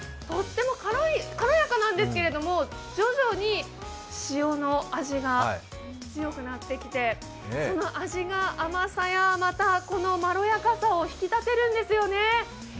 とっても軽やかなんですけど徐々に塩の味が強くなってきてその味が甘さや、またこのまろやかさを引き立てるんですよね。